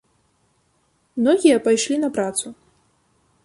Многія пайшлі на працу.